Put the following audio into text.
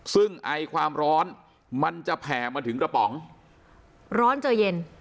ซึ่งไอความร้อนมันจะแผ่มาถึงกระป๋องร้อนเจอเย็น